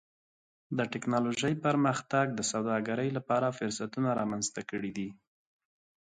د ټکنالوجۍ پرمختګ د سوداګرۍ لپاره فرصتونه رامنځته کړي دي.